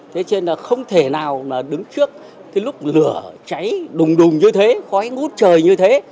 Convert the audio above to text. thế chứ không thể nào đứng trước lúc lửa cháy đùng đùng như thế khói ngút trời như thế